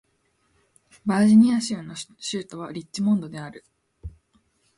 バージニア州の州都はリッチモンドである